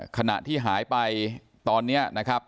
ขณะที่หายไปตอนนี้นะครับ